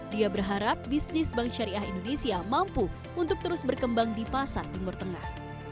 dia berharap bisnis bank syariah indonesia mampu untuk terus berkembang di pasar timur tengah